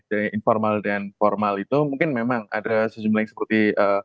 dari informal dan formal itu mungkin memang ada sejumlah yang seperti